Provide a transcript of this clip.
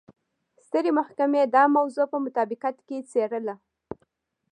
سترې محکمې دا موضوع په مطابقت کې څېړله.